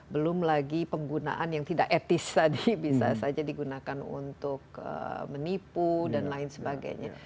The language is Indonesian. belum lagi penggunaan yang tidak etis tadi bisa saja digunakan untuk menipu dan lain sebagainya